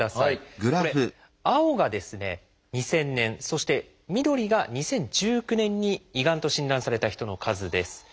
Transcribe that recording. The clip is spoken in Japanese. これ青が２０００年そして緑が２０１９年に胃がんと診断された人の数です。